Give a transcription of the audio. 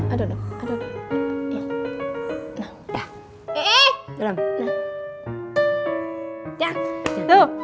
aduh aduh aduh aduh